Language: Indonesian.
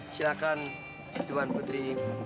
silakan tuhan putri